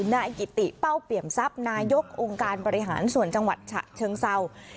นายกิติเป้าเปี่ยมทรัพย์นายกองค์การบริหารส่วนจังหวัดฉะเชิงเศร้า